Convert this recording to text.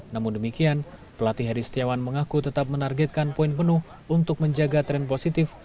namun demikian pelatih heri setiawan mengaku tetap menargetkan poin penuh untuk menjaga tren positif